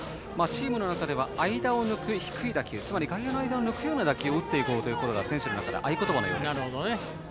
チームの中では間を抜く低い打球つまり、外野の間を抜くような打球を打っていこうというのが選手の中で合言葉のようです。